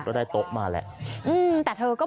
ได้โต๊ะมาแหละ